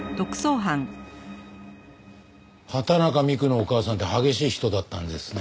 畑中美玖のお母さんって激しい人だったんですね。